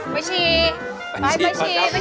ไปชี